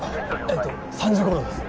えっと３時頃です。